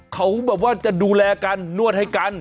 เขาแบบว่าจะดูแลกันนวดให้กัน